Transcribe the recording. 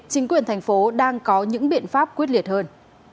chính quyền thành phố đang có những biện pháp quyết liệt hơn